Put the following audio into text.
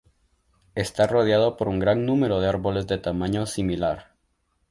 Está rodeado por un gran número de árboles de tamaño similar.